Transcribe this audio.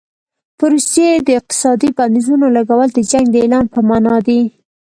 په روسیې د اقتصادي بندیزونو لګول د جنګ د اعلان په معنا دي.